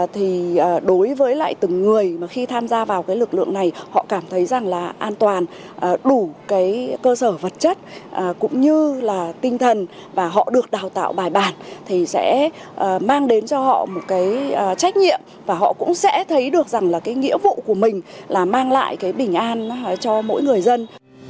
thì đối với lại từng người mà khi tham gia vào cái lực lượng này họ cảm thấy rằng là an toàn đủ cái cơ sở vật chất cũng như là tinh thần và họ được đào tạo bài bản thì sẽ mang đến cho họ một cái trách nhiệm và họ cũng sẽ thấy được rằng là cái nghĩa vụ của mình là mang lại cái bình an cho mỗi người dân